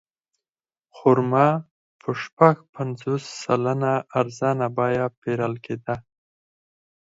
خرما په شپږ پنځوس سلنه ارزانه بیه پېرل کېده.